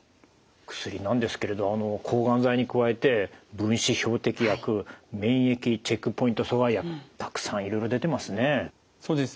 薬なんですけれど抗がん剤に加えて分子標的薬免疫チェックポイント阻害薬たくさんいろいろ出てますね。